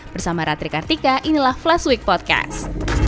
bersama ratri kartika inilah flash week podcast